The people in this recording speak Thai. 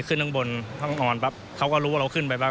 ขึ้นข้างบนห้องนอนปั๊บเขาก็รู้ว่าเราขึ้นไปบ้าง